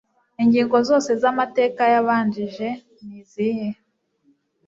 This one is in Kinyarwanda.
Ingingo zose z amateka yabanjije ni zihe?